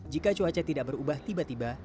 jika cuaca tidak berubah tiba tiba